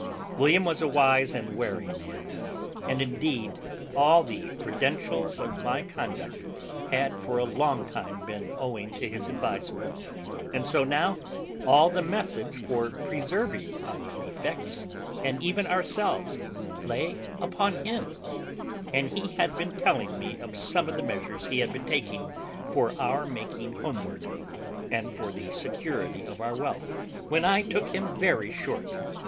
William was a wise and wary man, and indeed all the prudentials of my conduct had for a long time been owing to his advice, and so now all the methods for preserving our effects, and even ourselves, lay upon him; and he had been telling me of some of the measures he had been taking for our making homeward, and for the security of our wealth, when I took him very short.